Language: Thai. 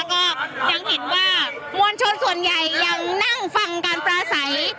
ก็ยังเห็นว่ามวลชนส่วนใหญ่ยังนั่งฟังการปลาใส